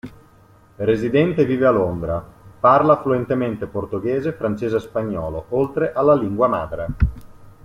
Residente vive a Londra, parla fluentemente portoghese, francese e spagnolo, oltre alla lingua madre.